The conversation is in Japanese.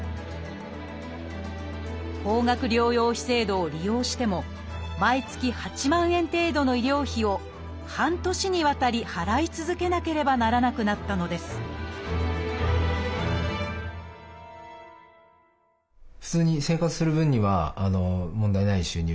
高額療養費制度を利用しても毎月８万円程度の医療費を半年にわたり払い続けなければならなくなったのですどうしよう？みたいなところはありましたね。